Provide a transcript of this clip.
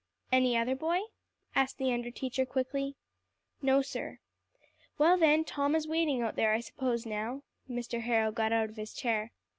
"Any other boy?" asked the under teacher quickly. "No, sir." "Well, then, Tom is waiting out there, I suppose, now." Mr. Harrow got out of his chair.